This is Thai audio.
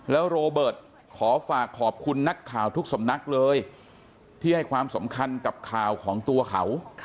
แล้วโรเบิร์ตขอฝากขอบคุณนักข่าวทุกสำนักเลยที่ให้ความสำคัญกับข่าวของตัวเขา